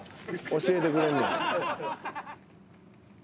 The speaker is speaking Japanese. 教えてくれんねん。